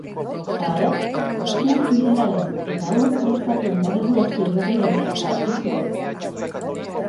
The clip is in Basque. Halaber, ur mineralen eta ur prestatuen erregulazio berria ere aurkeztuko du.